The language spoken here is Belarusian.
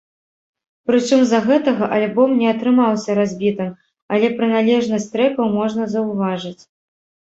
Прычым, з-за гэтага альбом не атрымаўся разбітым, але прыналежнасць трэкаў можна заўважыць.